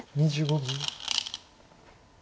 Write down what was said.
２５秒。